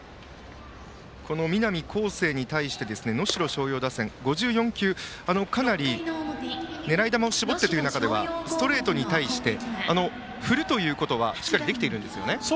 南恒誠に対して能代松陽打線は５４球、かなり狙い球を絞ってという中ではストレートに対して振るということはしっかりできていますね。